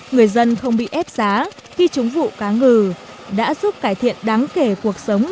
người dân không bị ép giá khi trúng vụ cá ngừ đã giúp cải thiện đáng kể cuộc sống